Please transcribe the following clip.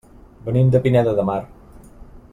Venim de Pineda de Mar.